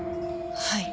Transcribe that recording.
はい。